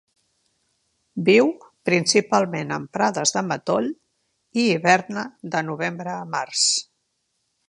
Viu principalment en prades de matoll i hiberna de novembre a març.